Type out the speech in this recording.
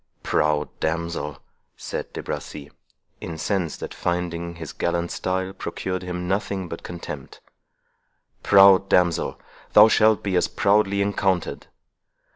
"Proud damsel," said De Bracy, incensed at finding his gallant style procured him nothing but contempt—"proud damsel, thou shalt be as proudly encountered.